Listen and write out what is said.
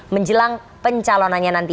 menjelang pencalonannya nanti